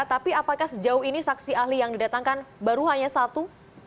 tapi apakah sejauh ini saksi ahli yang didatangkan baru hanya satu